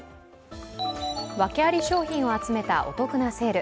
訳あり商品を集めたお得なセール。